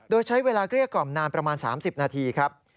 โดยใช้เวลาเกลี้ยกล่อมนานประมาณ๓๐นาทีครับ